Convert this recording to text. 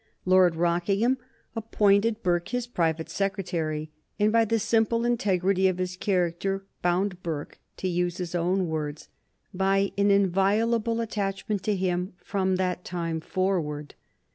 Lord Rockingham appointed Burke his private secretary, and by the simple integrity of his character bound Burke, to use his own words, "by an inviolable attachment to him from that time forward."